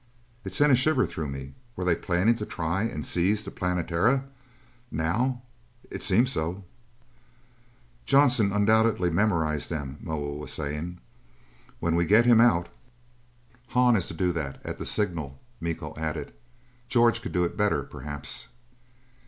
It sent a shiver through me. Were they planning to try and seize the Planetara? Now? It seemed so. "Johnson undoubtedly memorized them," Moa was saying. "When we get him out " "Hahn is to do that, at the signal." Miko added, "George could do it better, perhaps."